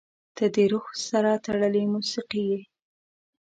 • ته د روح سره تړلې موسیقي یې.